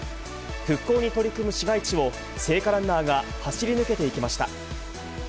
復興に取り組む市街地を、聖火ランナーが走り抜けていきました。